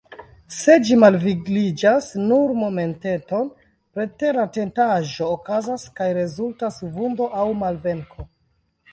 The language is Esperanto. Se ĝi malvigliĝas nur momenteton, preteratentaĵo okazas, kaj rezultas vundo aŭ malvenko.